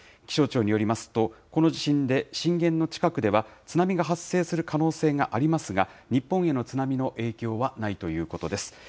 気象庁によりますと、この地震で震源の近くでは、津波が発生する可能性がありますが、日本への津波の影響はないということです。